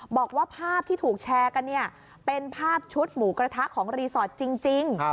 บอกว่าภาพที่ถูกแชร์กันเนี่ยเป็นภาพชุดหมูกระทะของรีสอร์ทจริง